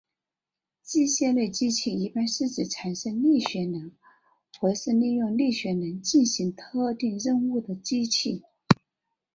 机械类机器一般是指产生力学能或是利用力学能进行特定任务的机器。